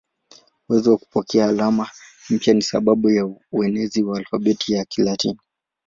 Uwezo wa kupokea alama mpya ni sababu ya uenezi wa alfabeti ya Kilatini.